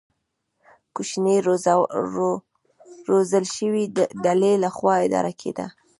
کوچنۍ روزل شوې ډلې له خوا اداره کېده.